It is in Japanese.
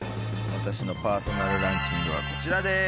私のパーソナルランキングはこちらです。